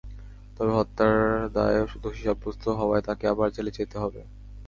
তবে হত্যার দায়ে দোষী সাব্যস্ত হওয়ায় তাঁকে আবার জেলে যেতে হবে।